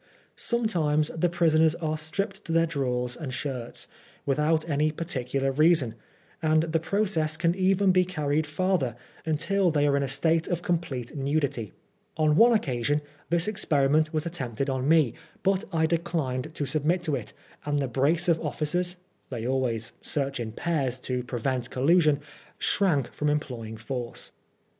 Sometimes the prisoners are stripped to their drawers or shirts, without any particular reason ; and the process can even be carried farther, until they are in a state of complete nudity. On one occasion this experiment was attempted on me, but I declined to submit to it, and the brace of officers (they always search in pairs, to prevent collusion) shrank from employing force.